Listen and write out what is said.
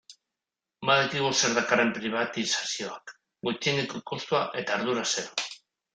Badakigu zer dakarren pribatizazioak, gutxieneko kostua eta ardura zero.